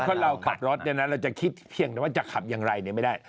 คือคนเราขับรถอย่างนั้นเราจะคิดเพียงว่าจะขับอย่างไรเนี่ยไม่ได้